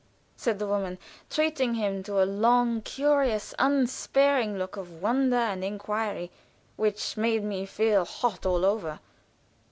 said the woman, treating him to a long, curious, unsparing look of wonder and inquiry, which made me feel hot all over.